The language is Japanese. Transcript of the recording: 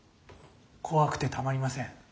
怖くてたまりません。